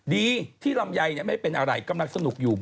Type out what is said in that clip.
ดีที่ลำไยไม่เป็นอะไรกำลังสนุกอยู่